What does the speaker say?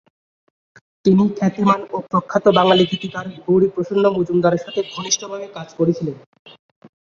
তিনি খ্যাতিমান ও প্রখ্যাত বাঙালি গীতিকার গৌরী প্রসন্ন মজুমদারের সাথে ঘনিষ্ঠভাবে কাজ করেছিলেন।